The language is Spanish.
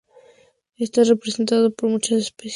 Está representado por muchas especies.